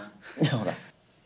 ほら。